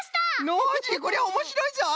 ノージーこりゃおもしろいぞい！